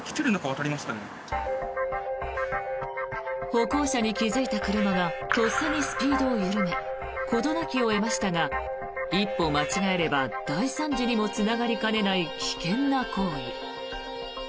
歩行者に気付いた車がとっさにスピードを緩め事なきを得ましたが一歩間違えれば大惨事にもつながりかねない危険な行為。